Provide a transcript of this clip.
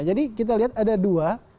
jadi kita lihat ada dua